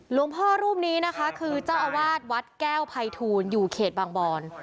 หลวงพ่อรูปนี้นะคะคือเจ้าอาวาสวัดแก้วภัยทูลอยู่เขตบางบอน